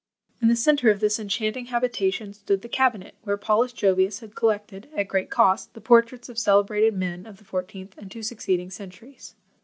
In the centre of this enchanting habitation stood the CABINET, where Paulus Jovius had collected, at great cost, the PORTRAITS of celebrated men of the fourteenth and two succeeding centuries.